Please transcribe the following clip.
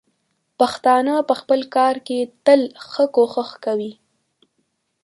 پښتانه په خپل کار کې تل ښه کوښښ کوي.